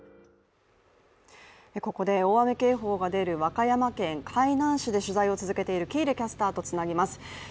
ここで大雨警報が出る和歌山県海南市で取材を続けている喜入キャスターと中継をつなぎます。